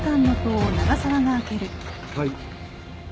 はい。